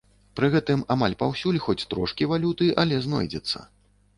Пры гэтым, амаль паўсюль хоць трошкі валюты, але знойдзецца.